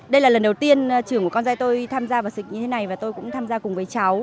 đây là lần đầu tiên trường của con giai tôi tham gia vào sự như thế này và tôi cũng tham gia cùng với cháu